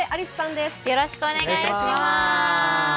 よろしくお願いします。